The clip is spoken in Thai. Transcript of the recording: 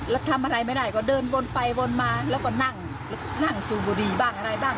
แล้วทำอะไรไม่ได้ก็เดินวนไปวนมาแล้วก็นั่งนั่งสูบบุหรี่บ้างอะไรบ้าง